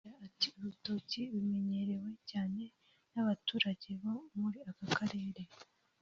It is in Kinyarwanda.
Agira ati “Urutoki rumenyerewe cyane n’abaturage bo muri aka karere